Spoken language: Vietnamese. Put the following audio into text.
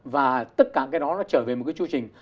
và tất cả cái đó nó trở về một cái chương trình